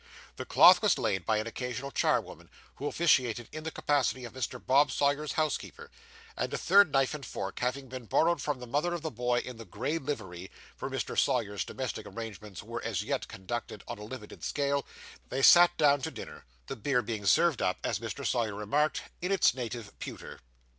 The cloth was laid by an occasional charwoman, who officiated in the capacity of Mr. Bob Sawyer's housekeeper; and a third knife and fork having been borrowed from the mother of the boy in the gray livery (for Mr. Sawyer's domestic arrangements were as yet conducted on a limited scale), they sat down to dinner; the beer being served up, as Mr. Sawyer remarked, 'in its native pewter.